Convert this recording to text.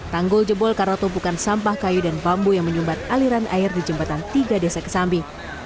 tanggul jebol karena tumpukan sampah kayu dan bambu yang menyumbat aliran air di jembatan tiga desa kesambi